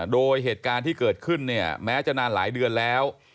โดยเหตุการณ์ที่เกิดขึ้นเนี่ยแม้จะนานหลายเดือนแล้ว